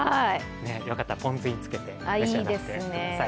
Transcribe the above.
よかったらぽん酢につけて召し上がってください。